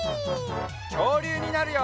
きょうりゅうになるよ！